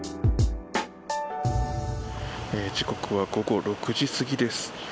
時刻は午後６時過ぎです。